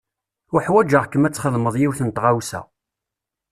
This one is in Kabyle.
Uḥwaǧeɣ-kem ad txedmeḍ yiwet n tɣawsa.